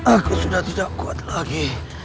aku sudah tidak kuat lagi